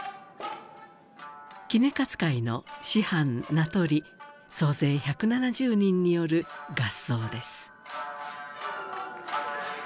杵勝会の師範名取総勢１７０人による合奏です。